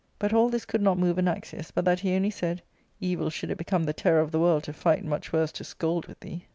But all this could not move Anaxius, but that he only said, Evil should it become the terror of the world to fight, much worse to scold with thee.